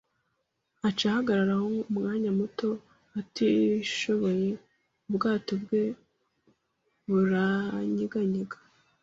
ack, ahagarara aho umwanya muto atishoboye, ubwato bwe buranyeganyega.